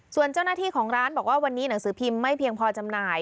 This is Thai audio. ส่วนเจ้าหน้าที่ของร้านบอกว่าวันนี้หนังสือพิมพ์ไม่เพียงพอจำหน่าย